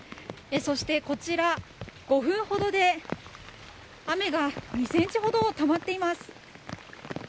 そして、５分ほどで雨が２ｃｍほどもたまっています。